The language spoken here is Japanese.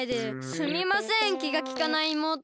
すみませんきがきかないいもうとで。